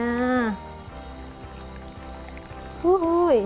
atau di atasnya